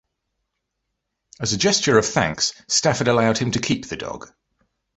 As a gesture of thanks, Stafford allowed him to keep the dog.